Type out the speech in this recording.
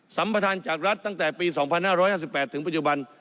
สัมประธานจากรัฐตั้งแต่ปี๒๕๕๘ถึงปัจจุบัน